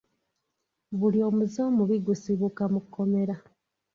Buli omuze omubi gusibuka mu kkomera.